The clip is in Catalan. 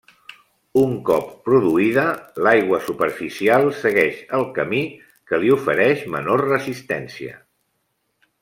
Un cop produïda, l'aigua superficial segueix el camí que li ofereix menor resistència.